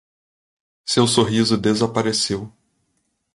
Seu sorriso desapareceu.